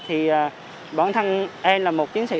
thì bản thân em là một chiến sĩ